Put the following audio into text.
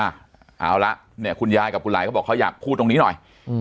เอาละเนี่ยคุณยายกับคุณหลายเขาบอกเขาอยากพูดตรงนี้หน่อย